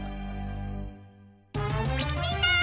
みんな！